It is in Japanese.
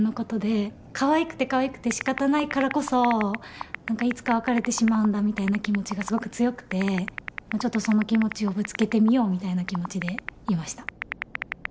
かわいくてかわいくてしかたないからこそいつか別れてしまうんだみたいな気持ちがすごく強くてちょっとその気持ちをぶつけてみようみたいな気持ちでいました。